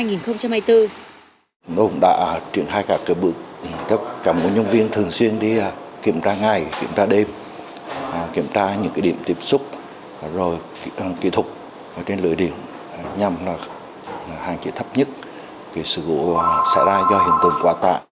điện lực đà nẵng đã triển khai cả cơ bực các cầm ngũ nhân viên thường xuyên đi kiểm tra ngày kiểm tra đêm kiểm tra những điểm tiếp xúc rồi kỹ thuật trên lưới điện nhằm hạn chế thấp nhất về sự vụ xảy ra do hiện tượng quả